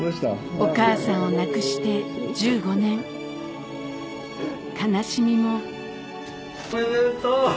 お母さんを亡くして１５年悲しみもおめでとう！